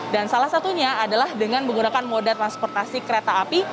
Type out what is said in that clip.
dan salah satunya adalah dengan menggunakan modal transportasi kereta api